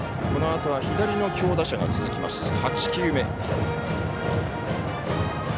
このあとは左の強打者が続きます。